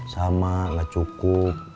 sama gak cukup